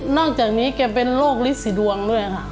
อกจากนี้แกเป็นโรคลิสีดวงด้วยค่ะ